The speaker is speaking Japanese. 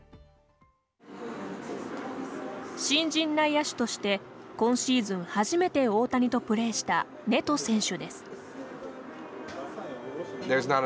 新人内野手として今シーズン初めて大谷とプレーしたネト選手です。